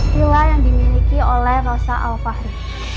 pula yang dimiliki oleh rosa al fahri